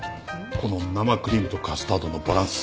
この生クリームとカスタードのバランス。